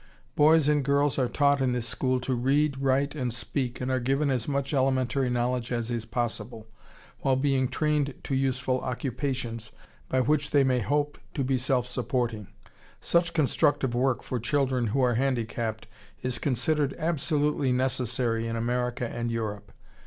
Boys and girls are taught in this school to read, write, and speak, and are given as much elementary knowledge as is possible, while being trained to useful occupations by which they may hope to be self supporting. Such constructive work for children who are handicapped is considered absolutely necessary in America and Europe.